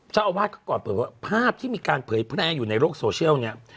เจ้าอาวาสก็ก่อนเปิดว่าภาพที่มีการเผยแพร่อยู่ในโลกโซเชียลเนี่ย